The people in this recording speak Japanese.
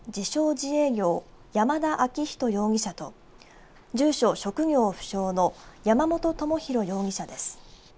自営業、山田玲人容疑者と住所職業不詳の山本智洋容疑者です。